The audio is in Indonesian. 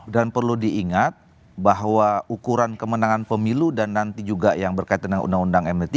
dan perlu diingat bahwa ukuran kemenangan pemilu dan nanti juga yang berkaitan dengan undang undang md tiga